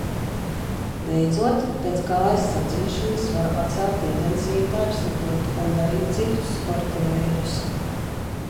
Beidzot, pēc kājas sadzīšanas, varu atsākt intensīvi daiļslidot un darīt citus sporta veidus.